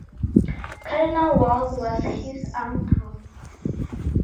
Cardinal Weld was his uncle.